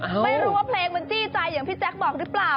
ไม่รู้ว่าเพลงมันจี้ใจอย่างพี่แจ๊คบอกหรือเปล่า